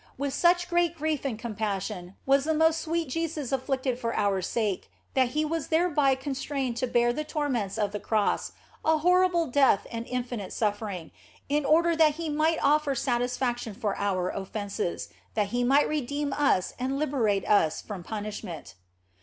With such great grief and com passion was the most sweet Jesus afflicted for our sake that He was thereby constrained to bear the torments OF FOLIGNO 75 of the Cross, a horrible death and infinite suffering, in order that He might offer satisfaction for our offences, that He might redeem us and liberate us from punish ment.